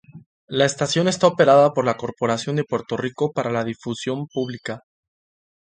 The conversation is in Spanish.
La estación está operada por la Corporación de Puerto Rico Para La Difusión Pública.